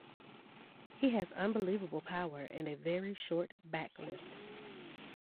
He has unbelievable power and a very short back-lift.